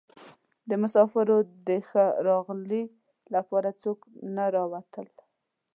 د مسافرو د ښه راغلي لپاره څوک نه راوتل.